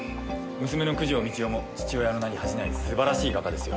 娘の九条美千代も父親の名に恥じない素晴らしい画家ですよ。